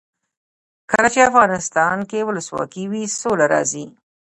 کله چې افغانستان کې ولسواکي وي سوله راځي.